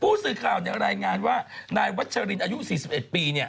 ผู้สื่อข่าวรายงานว่านายวัชรินอายุ๔๑ปี